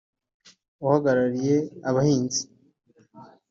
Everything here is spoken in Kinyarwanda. uhagarariye abahinzi